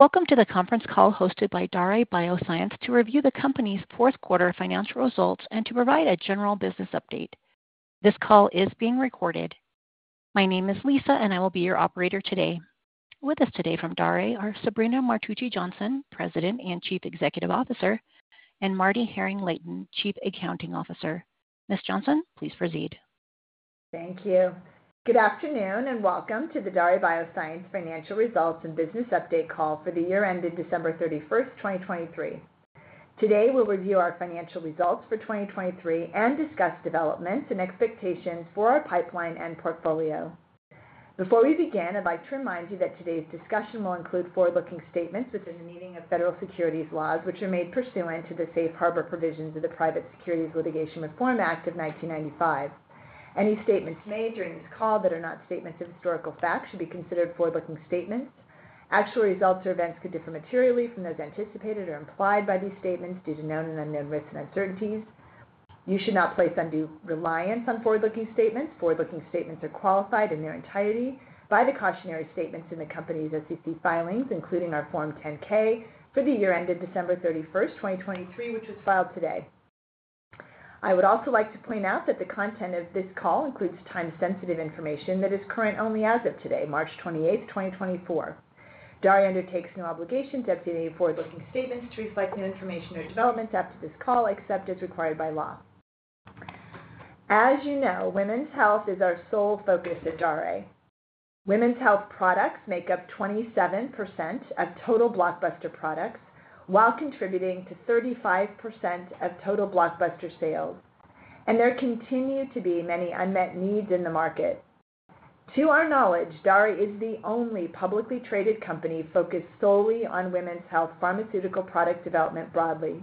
Welcome to the conference call hosted by Daré Bioscience to review the company's fourth-quarter financial results and to provide a general business update. This call is being recorded. My name is Lisa, and I will be your operator today. With us today from Daré are Sabrina Martucci Johnson, President and Chief Executive Officer, and MarDee Haring-Layton, Chief Accounting Officer. Ms. Johnson, please proceed. Thank you. Good afternoon and welcome to the Daré Bioscience financial results and business update call for the year-end of December 31, 2023. Today we'll review our financial results for 2023 and discuss developments and expectations for our pipeline and portfolio. Before we begin, I'd like to remind you that today's discussion will include forward-looking statements within the meaning of federal securities laws, which are made pursuant to the Safe Harbor provisions of the Private Securities Litigation Reform Act of 1995. Any statements made during this call that are not statements of historical fact should be considered forward-looking statements. Actual results or events could differ materially from those anticipated or implied by these statements due to known and unknown risks and uncertainties. You should not place undue reliance on forward-looking statements. Forward-looking statements are qualified in their entirety by the cautionary statements in the company's SEC filings, including our Form 10-K for the year-end of December 31, 2023, which was filed today. I would also like to point out that the content of this call includes time-sensitive information that is current only as of today, March 28, 2024. Daré undertakes no obligations to update any forward-looking statements, to reflect new information or developments after this call, except as required by law. As you know, women's health is our sole focus at Daré. Women's health products make up 27% of total blockbuster products while contributing to 35% of total blockbuster sales, and there continue to be many unmet needs in the market. To our knowledge, Daré is the only publicly traded company focused solely on women's health pharmaceutical product development broadly,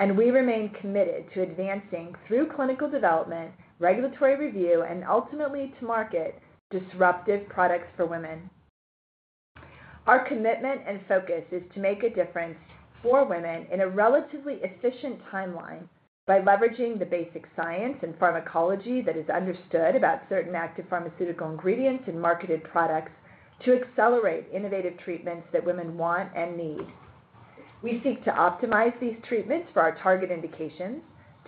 and we remain committed to advancing, through clinical development, regulatory review, and ultimately to market, disruptive products for women. Our commitment and focus is to make a difference for women in a relatively efficient timeline by leveraging the basic science and pharmacology that is understood about certain active pharmaceutical ingredients in marketed products to accelerate innovative treatments that women want and need. We seek to optimize these treatments for our target indications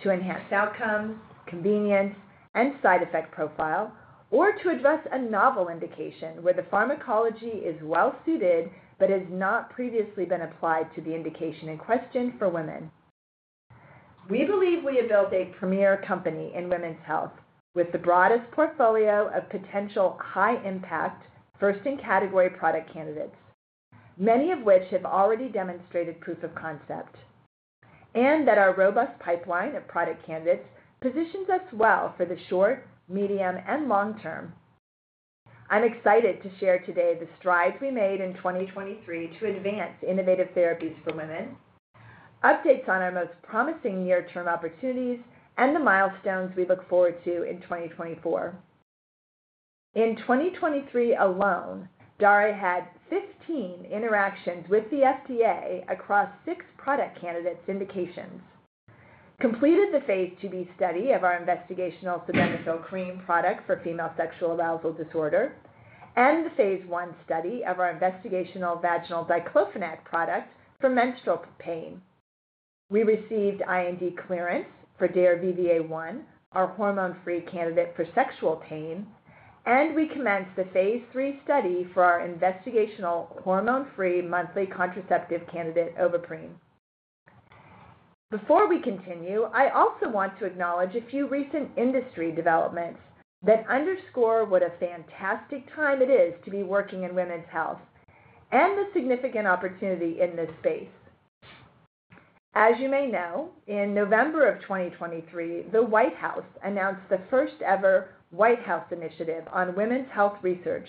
to enhance outcomes, convenience, and side effect profile, or to address a novel indication where the pharmacology is well-suited but has not previously been applied to the indication in question for women. We believe we have built a premier company in women's health with the broadest portfolio of potential high-impact, first-in-category product candidates, many of which have already demonstrated proof of concept, and that our robust pipeline of product candidates positions us well for the short, medium, and long term. I'm excited to share today the strides we made in 2023 to advance innovative therapies for women, updates on our most promising near-term opportunities, and the milestones we look forward to in 2024. In 2023 alone, Daré had 15 interactions with the FDA across 6 product candidates' indications, completed the phase II-B study of our investigational sildenafil cream product for female sexual arousal disorder, and the phase I study of our investigational vaginal diclofenac product for menstrual pain. We received IND clearance for DARE-VVA1, our hormone-free candidate for sexual pain, and we commenced the phase III study for our investigational hormone-free monthly contraceptive candidate, Ovaprene. Before we continue, I also want to acknowledge a few recent industry developments that underscore what a fantastic time it is to be working in women's health and the significant opportunity in this space. As you may know, in November of 2023, the White House announced the first-ever White House Initiative on Women's Health Research,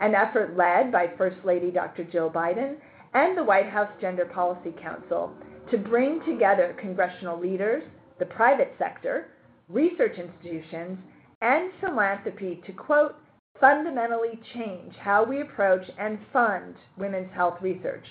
an effort led by First Lady Dr. Jill Biden and the White House Gender Policy Council to bring together congressional leaders, the private sector, research institutions, and philanthropy to "fundamentally change how we approach and fund women's health research."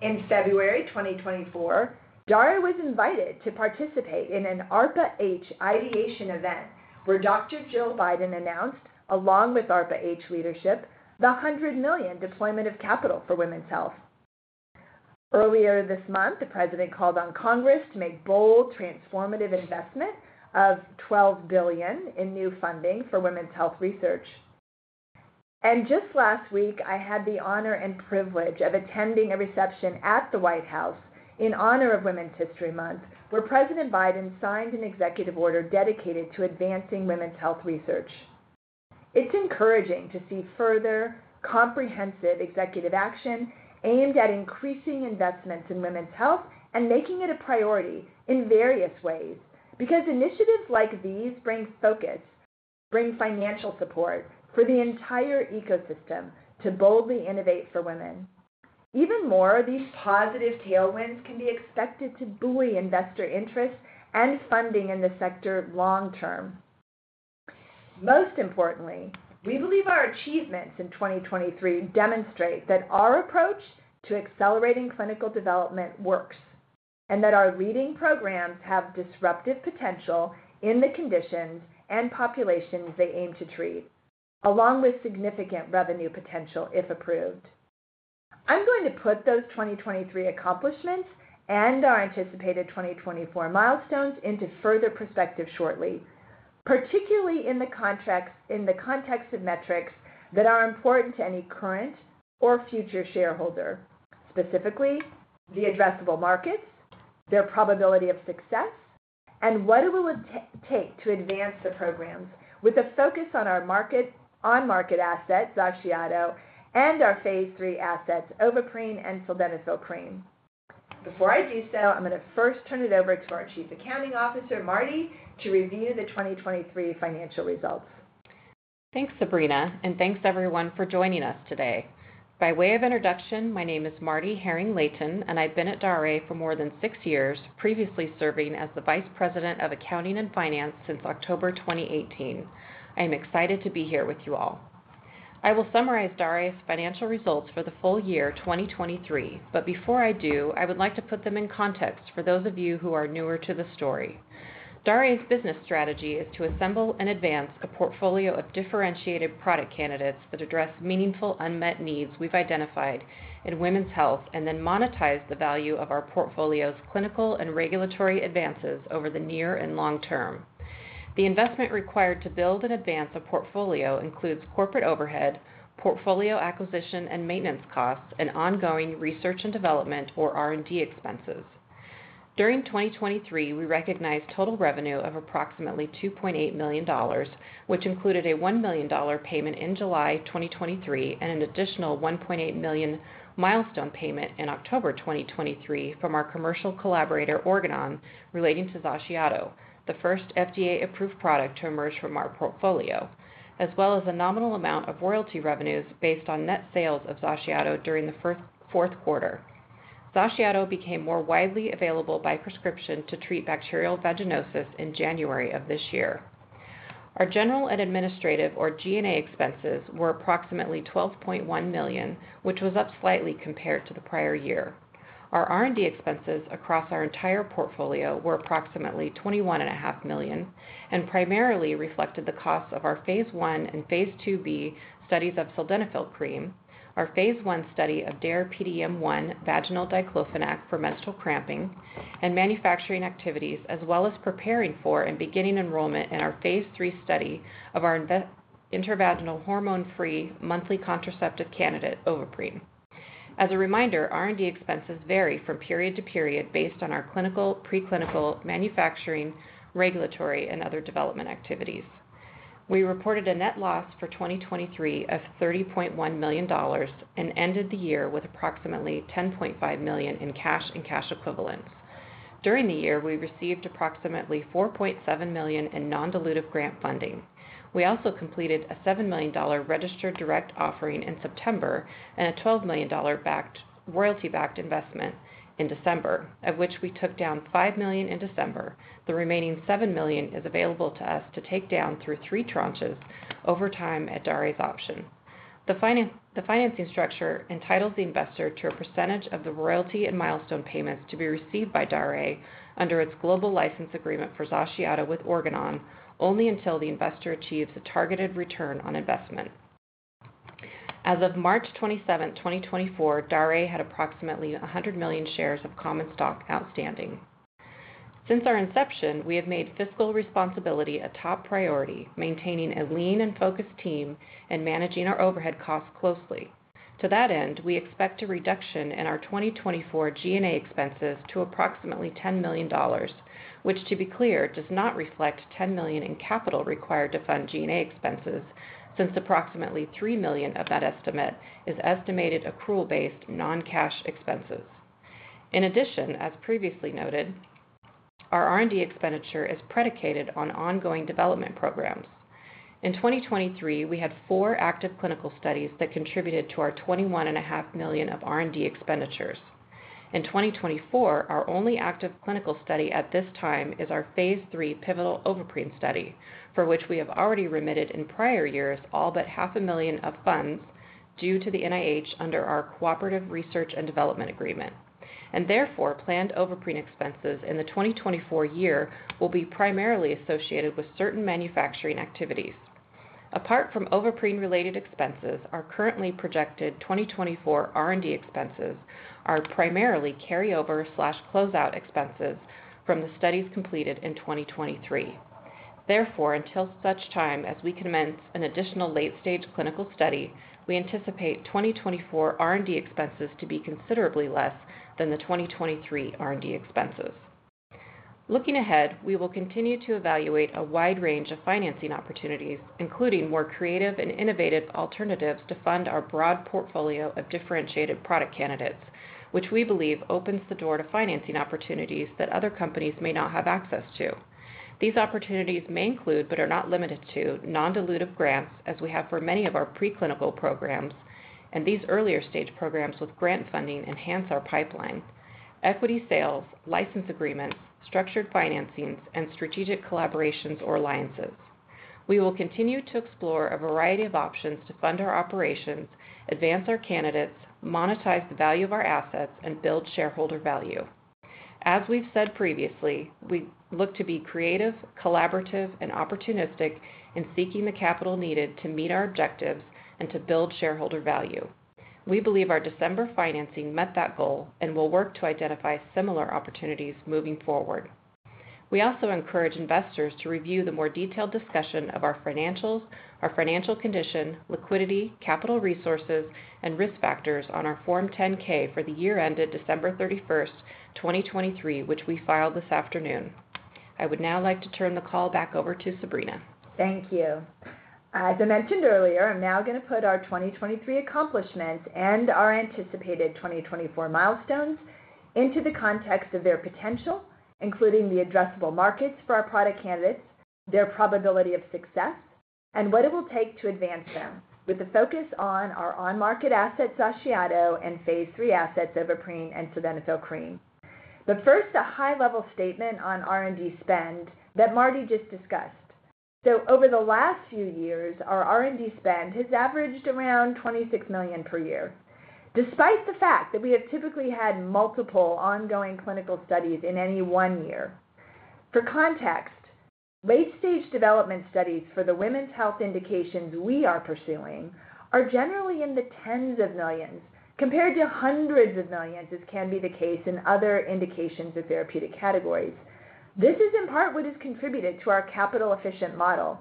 In February 2024, Daré was invited to participate in an ARPA-H ideation event where Dr. Jill Biden announced, along with ARPA-H leadership, the $100 million deployment of capital for women's health. Earlier this month, the President called on Congress to make bold, transformative investment of $12 billion in new funding for women's health research. Just last week, I had the honor and privilege of attending a reception at the White House in honor of Women's History Month where President Biden signed an executive order dedicated to advancing women's health research. It's encouraging to see further, comprehensive executive action aimed at increasing investments in women's health and making it a priority in various ways because initiatives like these bring focus, bring financial support for the entire ecosystem to boldly innovate for women. Even more, these positive tailwinds can be expected to buoy investor interest and funding in the sector long term. Most importantly, we believe our achievements in 2023 demonstrate that our approach to accelerating clinical development works and that our leading programs have disruptive potential in the conditions and populations they aim to treat, along with significant revenue potential if approved. I'm going to put those 2023 accomplishments and our anticipated 2024 milestones into further perspective shortly, particularly in the context of metrics that are important to any current or future shareholder, specifically the addressable markets, their probability of success, and what it will take to advance the programs with a focus on our marketed assets, XACIATO, and our phase III assets, Ovaprene and Sildenafil Cream. Before I do so, I'm going to first turn it over to our Chief Accounting Officer, MarDee, to review the 2023 financial results. Thanks, Sabrina, and thanks everyone for joining us today. By way of introduction, my name is MarDee Haring-Layton, and I've been at Daré for more than six years, previously serving as the Vice President of Accounting and Finance since October 2018. I am excited to be here with you all. I will summarize Daré's financial results for the full year 2023, but before I do, I would like to put them in context for those of you who are newer to the story. Daré's business strategy is to assemble and advance a portfolio of differentiated product candidates that address meaningful unmet needs we've identified in women's health and then monetize the value of our portfolio's clinical and regulatory advances over the near and long term. The investment required to build and advance a portfolio includes corporate overhead, portfolio acquisition and maintenance costs, and ongoing research and development or R&D expenses. During 2023, we recognized total revenue of approximately $2.8 million, which included a $1 million payment in July 2023 and an additional $1.8 million milestone payment in October 2023 from our commercial collaborator Organon relating to XACIATO, the first FDA-approved product to emerge from our portfolio, as well as a nominal amount of royalty revenues based on net sales of XACIATO during the fourth quarter. XACIATO became more widely available by prescription to treat bacterial vaginosis in January of this year. Our general and administrative or G&A expenses were approximately $12.1 million, which was up slightly compared to the prior year. Our R&D expenses across our entire portfolio were approximately $21.5 million and primarily reflected the costs of our phase II and phase II-B studies of Sildenafil Cream, our phase I study of DARE-PDM1 vaginal diclofenac for menstrual cramping, and manufacturing activities as well as preparing for and beginning enrollment in our phase III study of our intravaginal hormone-free monthly contraceptive candidate, Ovaprene. As a reminder, R&D expenses vary from period to period based on our clinical, preclinical, manufacturing, regulatory, and other development activities. We reported a net loss for 2023 of $30.1 million and ended the year with approximately $10.5 million in cash and cash equivalents. During the year, we received approximately $4.7 million in non-dilutive grant funding. We also completed a $7 million registered direct offering in September and a $12 million royalty-backed investment in December, of which we took down $5 million in December. The remaining $7 million is available to us to take down through three tranches over time at Daré's option. The financing structure entitles the investor to a percentage of the royalty and milestone payments to be received by Daré under its global license agreement for XACIATO with Organon only until the investor achieves a targeted return on investment. As of March 27, 2024, Daré had approximately 100 million shares of common stock outstanding. Since our inception, we have made fiscal responsibility a top priority, maintaining a lean and focused team and managing our overhead costs closely. To that end, we expect a reduction in our 2024 G&A expenses to approximately $10 million, which, to be clear, does not reflect $10 million in capital required to fund G&A expenses since approximately $3 million of that estimate is estimated accrual-based non-cash expenses. In addition, as previously noted, our R&D expenditure is predicated on ongoing development programs. In 2023, we had four active clinical studies that contributed to our $21.5 million of R&D expenditures. In 2024, our only active clinical study at this time is our phase III pivotal Ovaprene study, for which we have already remitted in prior years all but $500,000 of funds due to the NIH under our Cooperative Research and Development Agreement, and therefore planned Ovaprene expenses in the 2024 year will be primarily associated with certain manufacturing activities. Apart from Ovaprene-related expenses, our currently projected 2024 R&D expenses are primarily carryover/closeout expenses from the studies completed in 2023. Therefore, until such time as we commence an additional late-stage clinical study, we anticipate 2024 R&D expenses to be considerably less than the 2023 R&D expenses. Looking ahead, we will continue to evaluate a wide range of financing opportunities, including more creative and innovative alternatives to fund our broad portfolio of differentiated product candidates, which we believe opens the door to financing opportunities that other companies may not have access to. These opportunities may include but are not limited to non-dilutive grants, as we have for many of our preclinical programs, and these earlier-stage programs with grant funding enhance our pipeline: equity sales, license agreements, structured financings, and strategic collaborations or alliances. We will continue to explore a variety of options to fund our operations, advance our candidates, monetize the value of our assets, and build shareholder value. As we've said previously, we look to be creative, collaborative, and opportunistic in seeking the capital needed to meet our objectives and to build shareholder value. We believe our December financing met that goal and will work to identify similar opportunities moving forward. We also encourage investors to review the more detailed discussion of our financials, our financial condition, liquidity, capital resources, and risk factors on our Form 10-K for the year ended December 31st, 2023, which we filed this afternoon. I would now like to turn the call back over to Sabrina. Thank you. As I mentioned earlier, I'm now going to put our 2023 accomplishments and our anticipated 2024 milestones into the context of their potential, including the addressable markets for our product candidates, their probability of success, and what it will take to advance them, with a focus on our on-market assets, XACIATO, and phase III assets, Ovaprene and Sildenafil Cream. But first, a high-level statement on R&D spend that MarDee just discussed. So over the last few years, our R&D spend has averaged around $26 million per year, despite the fact that we have typically had multiple ongoing clinical studies in any one year. For context, late-stage development studies for the women's health indications we are pursuing are generally in the tens of millions compared to hundreds of millions, as can be the case in other indications of therapeutic categories. This is in part what has contributed to our capital-efficient model.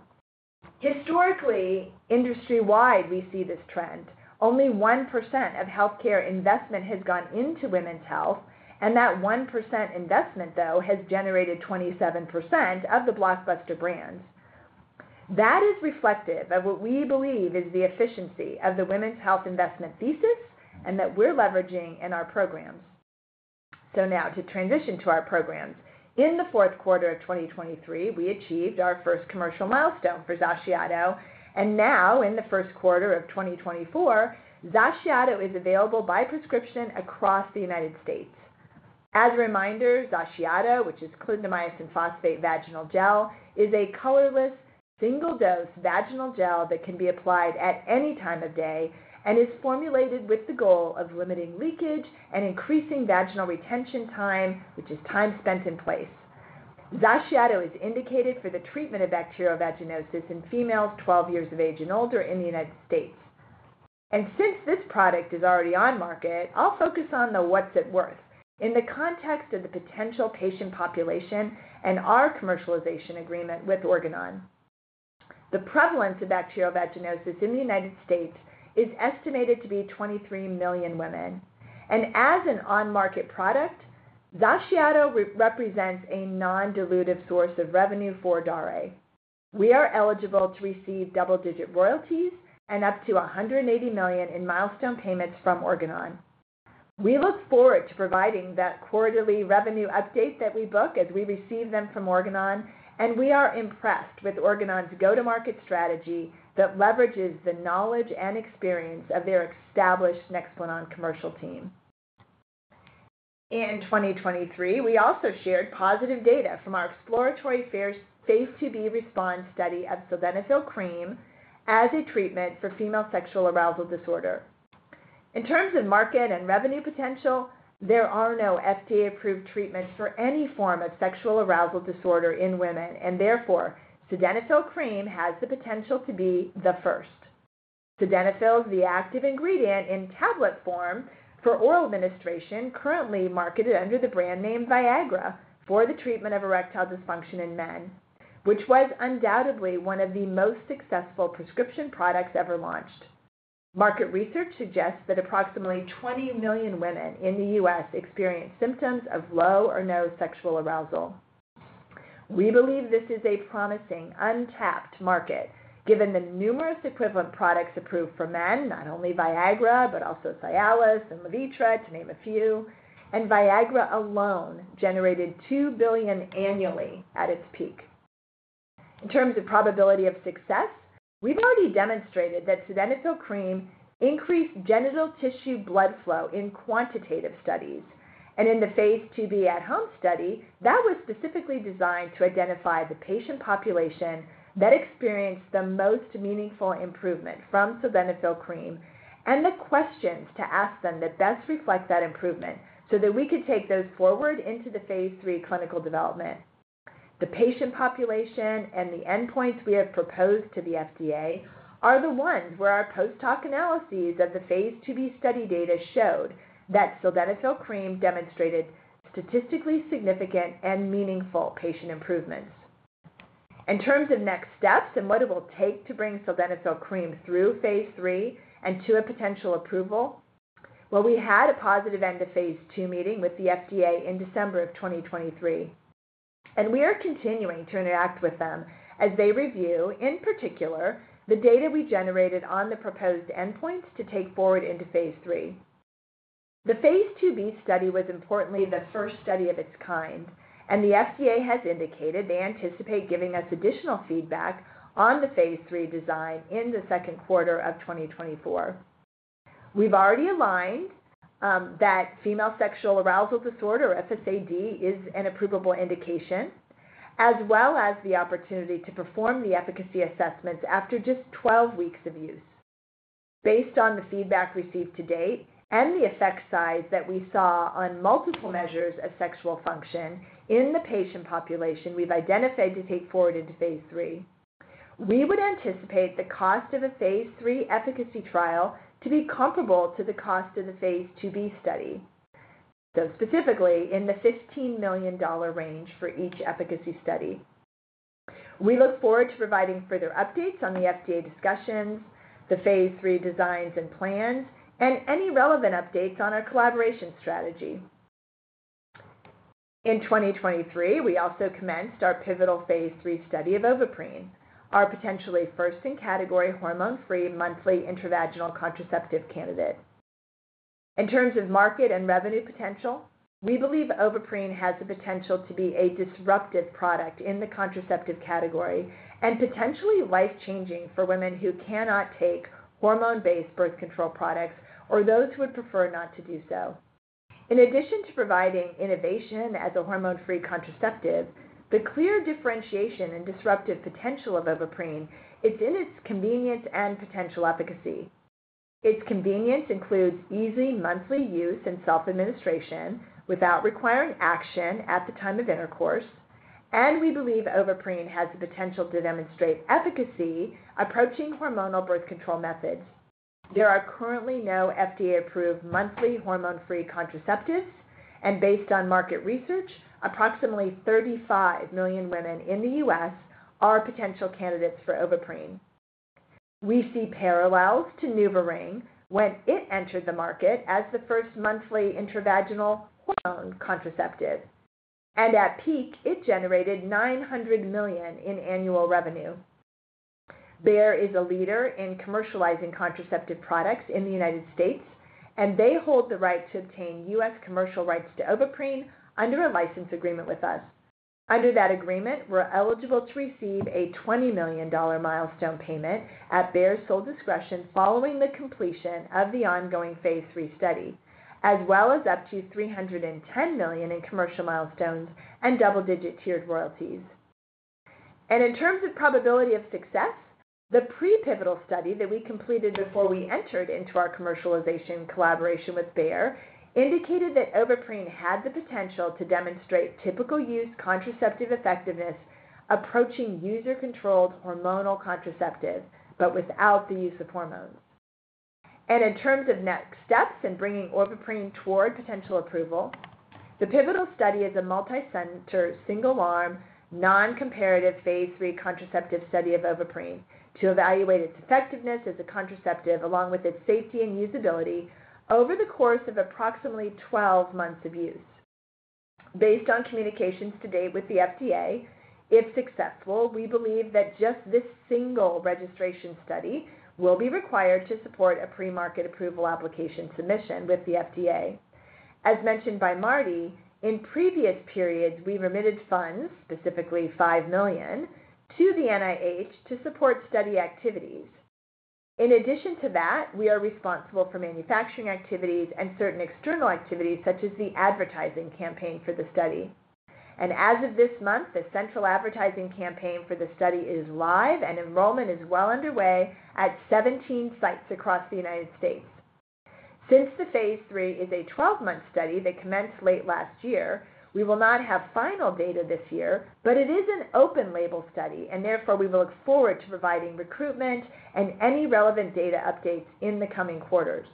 Historically, industry-wide, we see this trend: only 1% of healthcare investment has gone into women's health, and that 1% investment, though, has generated 27% of the blockbuster brands. That is reflective of what we believe is the efficiency of the women's health investment thesis and that we're leveraging in our programs. So now, to transition to our programs, in the fourth quarter of 2023, we achieved our first commercial milestone for XACIATO, and now, in the first quarter of 2024, XACIATO is available by prescription across the United States. As a reminder, XACIATO, which is clindamycin phosphate vaginal gel, is a colorless, single-dose vaginal gel that can be applied at any time of day and is formulated with the goal of limiting leakage and increasing vaginal retention time, which is time spent in place. XACIATO is indicated for the treatment of bacterial vaginosis in females 12 years of age and older in the United States. Since this product is already on market, I'll focus on what's it worth in the context of the potential patient population and our commercialization agreement with Organon. The prevalence of bacterial vaginosis in the United States is estimated to be 23 million women, and as an on-market product, XACIATO represents a non-dilutive source of revenue for Daré. We are eligible to receive double-digit royalties and up to $180 million in milestone payments from Organon. We look forward to providing that quarterly revenue update that we book as we receive them from Organon, and we are impressed with Organon's go-to-market strategy that leverages the knowledge and experience of their established Nexplanon commercial team. In 2023, we also shared positive data from our exploratory phase II-B RESPOND study of Sildenafil Cream as a treatment for female sexual arousal disorder. In terms of market and revenue potential, there are no FDA-approved treatments for any form of sexual arousal disorder in women, and therefore, Sildenafil Cream has the potential to be the first. Sildenafil is the active ingredient in tablet form for oral administration, currently marketed under the brand name Viagra for the treatment of erectile dysfunction in men, which was undoubtedly one of the most successful prescription products ever launched. Market research suggests that approximately 20 million women in the U.S. experience symptoms of low or no sexual arousal. We believe this is a promising, untapped market given the numerous equivalent products approved for men, not only Viagra but also Cialis and Levitra, to name a few, and Viagra alone generated $2 billion annually at its peak. In terms of probability of success, we've already demonstrated that Sildenafil Cream increased genital tissue blood flow in quantitative studies, and in the phase II-B at-home study, that was specifically designed to identify the patient population that experienced the most meaningful improvement from Sildenafil Cream and the questions to ask them that best reflect that improvement so that we could take those forward into the phase III clinical development. The patient population and the endpoints we have proposed to the FDA are the ones where our post-hoc analyses of the phase II-B study data showed that Sildenafil Cream demonstrated statistically significant and meaningful patient improvements. In terms of next steps and what it will take to bring Sildenafil Cream through phase III and to a potential approval, well, we had a positive end-of-phase II meeting with the FDA in December of 2023, and we are continuing to interact with them as they review, in particular, the data we generated on the proposed endpoints to take forward into phase III. The phase II-B study was importantly the first study of its kind, and the FDA has indicated they anticipate giving us additional feedback on the phase III design in the second quarter of 2024. We've already aligned that Female Sexual Arousal Disorder, FSAD, is an approvable indication as well as the opportunity to perform the efficacy assessments after just 12 weeks of use. Based on the feedback received to date and the effect size that we saw on multiple measures of sexual function in the patient population we've identified to take forward into phase III, we would anticipate the cost of a phase III efficacy trial to be comparable to the cost of the phase II-B study, so specifically in the $15 million range for each efficacy study. We look forward to providing further updates on the FDA discussions, the phase III designs and plans, and any relevant updates on our collaboration strategy. In 2023, we also commenced our pivotal phase III study of Ovaprene, our potentially first-in-category hormone-free monthly intravaginal contraceptive candidate. In terms of market and revenue potential, we believe Ovaprene has the potential to be a disruptive product in the contraceptive category and potentially life-changing for women who cannot take hormone-based birth control products or those who would prefer not to do so. In addition to providing innovation as a hormone-free contraceptive, the clear differentiation and disruptive potential of Ovaprene is in its convenience and potential efficacy. Its convenience includes easy monthly use and self-administration without requiring action at the time of intercourse, and we believe Ovaprene has the potential to demonstrate efficacy approaching hormonal birth control methods. There are currently no FDA-approved monthly hormone-free contraceptives, and based on market research, approximately 35 million women in the U.S. are potential candidates for Ovaprene. We see parallels to NuvaRing when it entered the market as the first monthly intravaginal hormone contraceptive, and at peak, it generated $900 million in annual revenue. Bayer is a leader in commercializing contraceptive products in the United States, and they hold the right to obtain U.S. commercial rights to Ovaprene under a license agreement with us. Under that agreement, we're eligible to receive a $20 million milestone payment at Bayer's sole discretion following the completion of the ongoing phase III study, as well as up to $310 million in commercial milestones and double-digit tiered royalties. In terms of probability of success, the pre-pivotal study that we completed before we entered into our commercialization collaboration with Bayer indicated that Ovaprene had the potential to demonstrate typical-use contraceptive effectiveness approaching user-controlled hormonal contraceptives but without the use of hormones. In terms of next steps and bringing Ovaprene toward potential approval, the pivotal study is a multi-centered, single-arm, non-comparative phase III contraceptive study of Ovaprene to evaluate its effectiveness as a contraceptive along with its safety and usability over the course of approximately 12 months of use. Based on communications to date with the FDA, if successful, we believe that just this single registration study will be required to support a pre-market approval application submission with the FDA. As mentioned by MarDee, in previous periods, we've remitted funds, specifically $5 million, to the NIH to support study activities. In addition to that, we are responsible for manufacturing activities and certain external activities such as the advertising campaign for the study. And as of this month, the central advertising campaign for the study is live, and enrollment is well underway at 17 sites across the United States. Since the phase III is a 12-month study that commenced late last year, we will not have final data this year, but it is an open-label study, and therefore, we will look forward to providing recruitment and any relevant data updates in the coming quarters.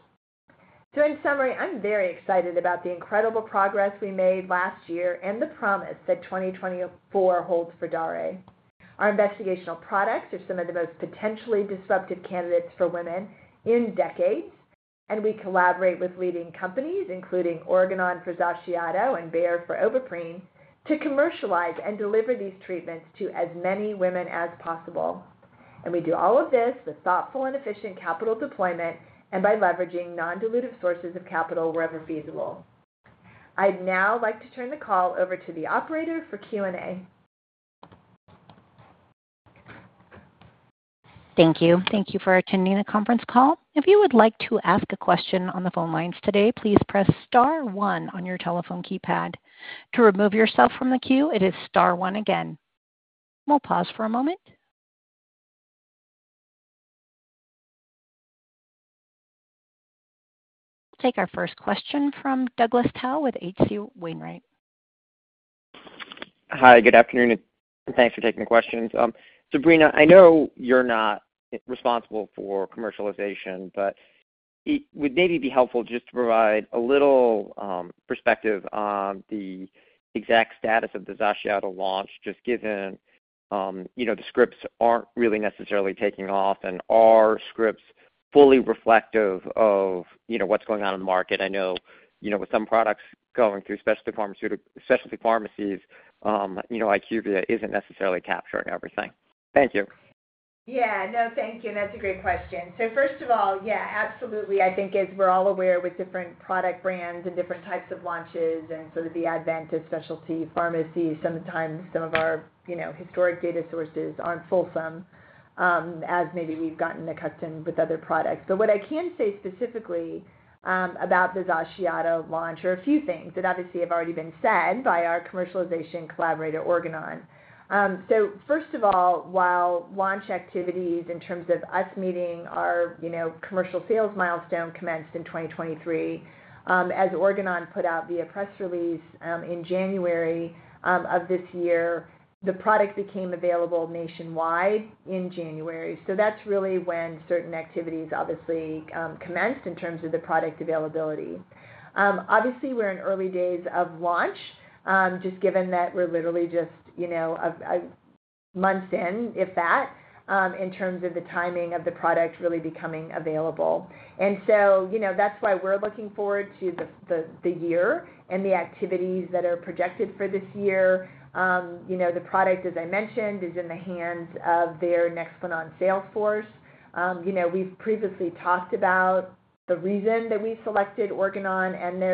So in summary, I'm very excited about the incredible progress we made last year and the promise that 2024 holds for Daré. Our investigational products are some of the most potentially disruptive candidates for women in decades, and we collaborate with leading companies, including Organon for XACIATO and Bayer for Ovaprene, to commercialize and deliver these treatments to as many women as possible. We do all of this with thoughtful and efficient capital deployment and by leveraging non-dilutive sources of capital wherever feasible. I'd now like to turn the call over to the operator for Q&A. Thank you. Thank you for attending the conference call. If you would like to ask a question on the phone lines today, please press star one on your telephone keypad. To remove yourself from the queue, it is star one again. We'll pause for a moment. Take our first question from Douglas Tsao with H.C. Wainwright. Hi. Good afternoon. Thanks for taking the questions. Sabrina, I know you're not responsible for commercialization, but it would maybe be helpful just to provide a little perspective on the exact status of the XACIATO launch just given the scripts aren't really necessarily taking off, and are scripts fully reflective of what's going on in the market. I know with some products going through specialty pharmacies, IQVIA isn't necessarily capturing everything. Thank you. Yeah. No, thank you. And that's a great question. So first of all, yeah, absolutely. I think, as we're all aware with different product brands and different types of launches and sort of the advent of specialty pharmacies, sometimes some of our historic data sources aren't fulsome as maybe we've gotten accustomed with other products. But what I can say specifically about the Xaciato launch are a few things that obviously have already been said by our commercialization collaborator, Organon. So first of all, while launch activities in terms of us meeting our commercial sales milestone commenced in 2023, as Organon put out via press release in January of this year, the product became available nationwide in January. So that's really when certain activities obviously commenced in terms of the product availability. Obviously, we're in early days of launch just given that we're literally just months in, if that, in terms of the timing of the product really becoming available. And so that's why we're looking forward to the year and the activities that are projected for this year. The product, as I mentioned, is in the hands of their Nexplanon sales force. We've previously talked about the reason that we selected Organon and their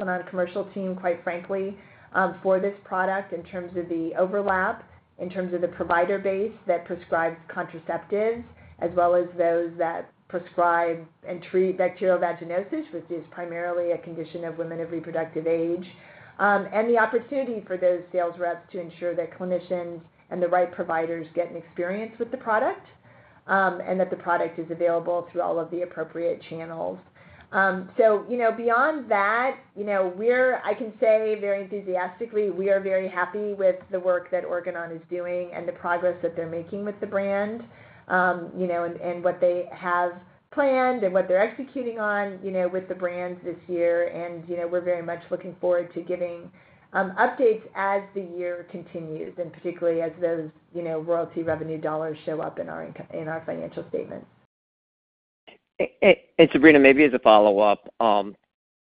Nexplanon commercial team, quite frankly, for this product in terms of the overlap, in terms of the provider base that prescribes contraceptives as well as those that prescribe and treat bacterial vaginosis, which is primarily a condition of women of reproductive age, and the opportunity for those sales reps to ensure that clinicians and the right providers get an experience with the product and that the product is available through all of the appropriate channels. So beyond that, I can say very enthusiastically, we are very happy with the work that Organon is doing and the progress that they're making with the brand and what they have planned and what they're executing on with the brand this year. And we're very much looking forward to giving updates as the year continues and particularly as those royalty revenue dollars show up in our financial statements. Sabrina, maybe as a follow-up,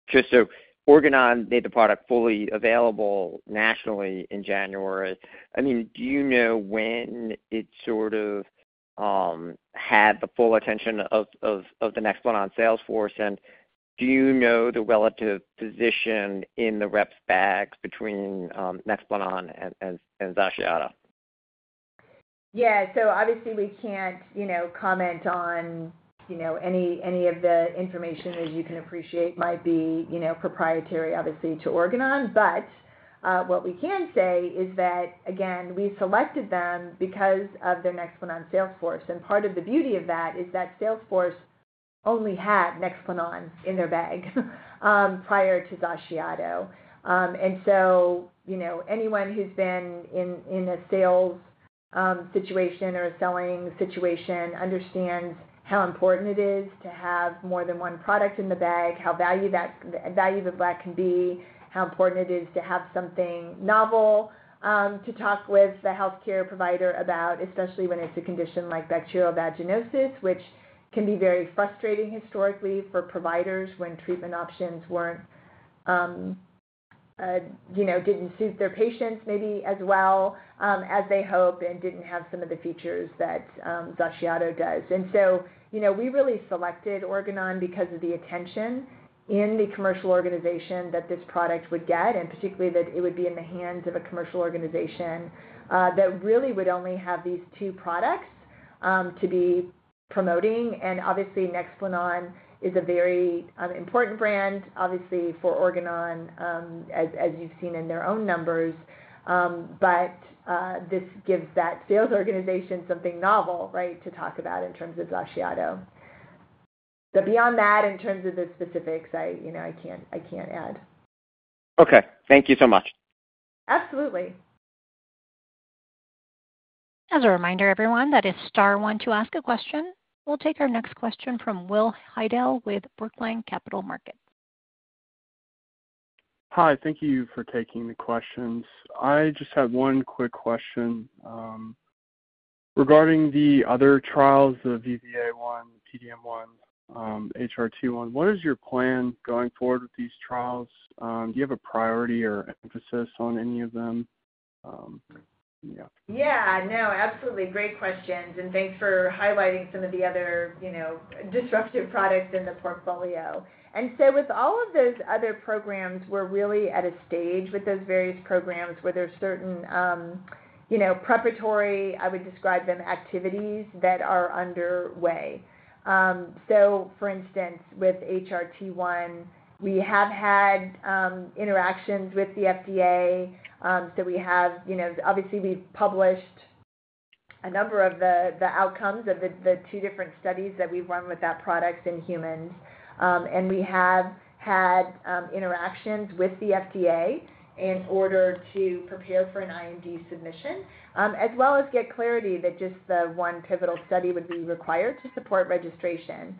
just so Organon made the product fully available nationally in January, I mean, do you know when it sort of had the full attention of the Nexplanon sales force? And do you know the relative position in the reps' bags between Nexplanon and XACIATO? Yeah. So obviously, we can't comment on any of the information, as you can appreciate, might be proprietary, obviously, to Organon. But what we can say is that, again, we selected them because of their Nexplanon sales force. And part of the beauty of that is that sales force only had Nexplanon in their bag prior to XACIATO. And so anyone who's been in a sales situation or a selling situation understands how important it is to have more than one product in the bag, how valuable that can be, how important it is to have something novel to talk with the healthcare provider about, especially when it's a condition like bacterial vaginosis, which can be very frustrating historically for providers when treatment options didn't suit their patients maybe as well as they hope and didn't have some of the features that XACIATO does. And so we really selected Organon because of the attention in the commercial organization that this product would get and particularly that it would be in the hands of a commercial organization that really would only have these two products to be promoting. And obviously, Nexplanon is a very important brand, obviously, for Organon, as you've seen in their own numbers. But this gives that sales organization something novel, right, to talk about in terms of XACIATO. But beyond that, in terms of the specifics, I can't add. Okay. Thank you so much. Absolutely. As a reminder, everyone, that is star 1 to ask a question. We'll take our next question from Will Hidell with Brookline Capital Markets. Hi. Thank you for taking the questions. I just had one quick question. Regarding the other trials, the VVA1, PDM1, HRT1, what is your plan going forward with these trials? Do you have a priority or emphasis on any of them? Yeah. Yeah. No, absolutely. Great questions. And thanks for highlighting some of the other disruptive products in the portfolio. And so with all of those other programs, we're really at a stage with those various programs where there's certain preparatory, I would describe them, activities that are underway. So for instance, with DARE-HRT1, we have had interactions with the FDA. So obviously, we've published a number of the outcomes of the two different studies that we've run with that product in humans. And we have had interactions with the FDA in order to prepare for an IND submission as well as get clarity that just the one pivotal study would be required to support registration.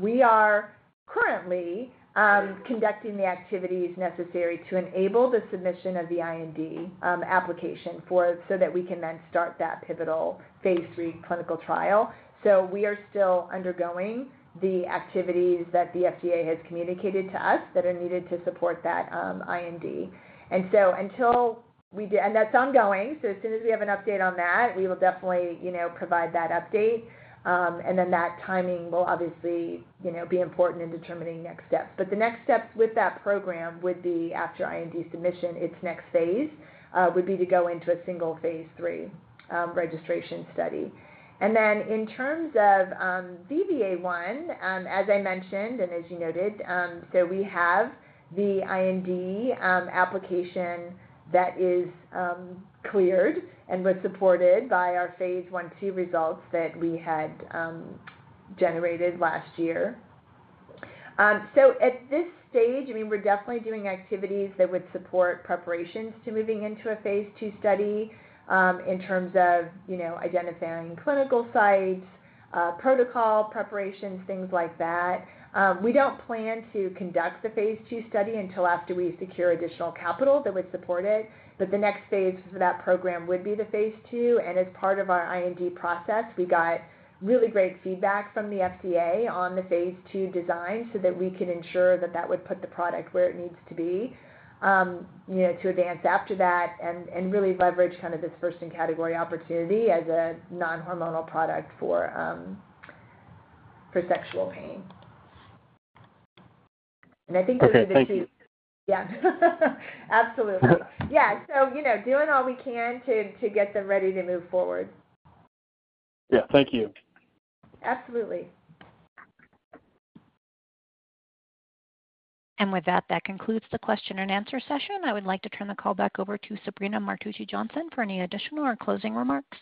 We are currently conducting the activities necessary to enable the submission of the IND application so that we can then start that pivotal phase III clinical trial. We are still undergoing the activities that the FDA has communicated to us that are needed to support that IND. And so until we do, and that's ongoing. So as soon as we have an update on that, we will definitely provide that update. And then that timing will obviously be important in determining next steps. But the next steps with that program would be after IND submission, its next phase would be to go into a single phase III registration study. And then in terms of VVA-1, as I mentioned and as you noted, so we have the IND application that is cleared and was supported by our phase I-II results that we had generated last year. So at this stage, I mean, we're definitely doing activities that would support preparations to moving into a phase II study in terms of identifying clinical sites, protocol preparations, things like that. We don't plan to conduct the phase II study until after we secure additional capital that would support it. But the next phase for that program would be the phase II. And as part of our IND process, we got really great feedback from the FDA on the phase II design so that we could ensure that that would put the product where it needs to be to advance after that and really leverage kind of this first-in-category opportunity as a non-hormonal product for sexual pain. And I think those are the two. Thank you. Thank you. Yeah. Absolutely. Yeah. So doing all we can to get them ready to move forward. Yeah. Thank you. Absolutely. With that, that concludes the question-and-answer session. I would like to turn the call back over to Sabrina Martucci Johnson for any additional or closing remarks.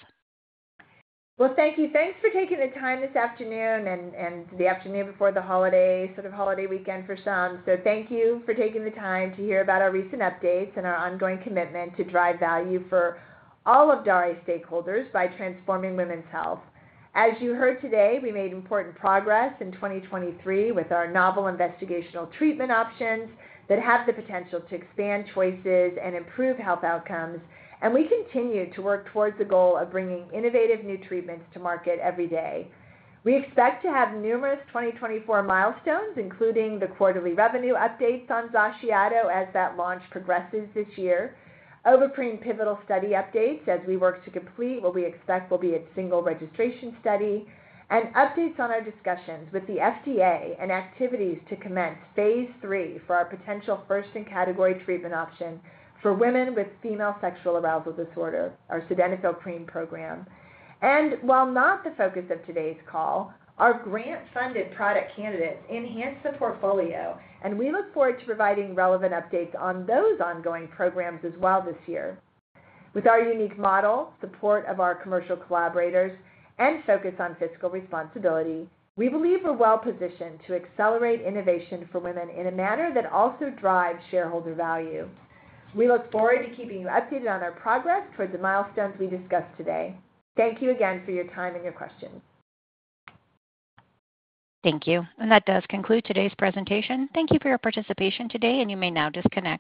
Well, thank you. Thanks for taking the time this afternoon and the afternoon before the holiday, sort of holiday weekend for some. So thank you for taking the time to hear about our recent updates and our ongoing commitment to drive value for all of Daré stakeholders by transforming women's health. As you heard today, we made important progress in 2023 with our novel investigational treatment options that have the potential to expand choices and improve health outcomes. We continue to work towards the goal of bringing innovative new treatments to market every day. We expect to have numerous 2024 milestones, including the quarterly revenue updates on XACIATO as that launch progresses this year, Ovaprene pivotal study updates as we work to complete what we expect will be a single registration study, and updates on our discussions with the FDA and activities to commence phase III for our potential first-in-category treatment option for women with female sexual arousal disorder, our Sildenafil Cream program. And while not the focus of today's call, our grant-funded product candidates enhance the portfolio. And we look forward to providing relevant updates on those ongoing programs as well this year. With our unique model, support of our commercial collaborators, and focus on fiscal responsibility, we believe we're well-positioned to accelerate innovation for women in a manner that also drives shareholder value. We look forward to keeping you updated on our progress towards the milestones we discussed today. Thank you again for your time and your questions. Thank you. That does conclude today's presentation. Thank you for your participation today, and you may now disconnect.